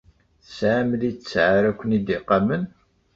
Tesɛam littseɛ ara ken-id-iqamen?